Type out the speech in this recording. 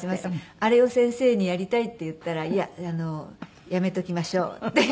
あれを先生にやりたいって言ったら「いややめときましょう」って言われて。